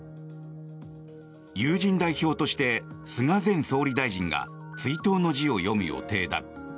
友人代表として菅前総理大臣が追悼の辞を読む予定だ。